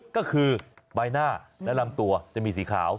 ก็คือใบหน้าและลำตัวจะมีสีขาว